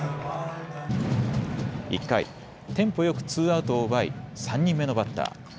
１回テンポよくツーアウトを奪い３人目のバッター。